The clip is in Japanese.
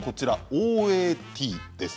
「ＯＡＴ」です。